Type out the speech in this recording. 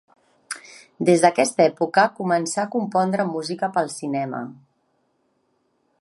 Des d'aquesta època començà a compondre música per al cinema.